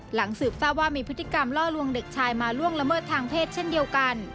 หลังสืบทราบว่ามีพฤติกรรมล่อลวงเด็กชายมาล่วงละเมิดทางเพศเช่นเดียวกัน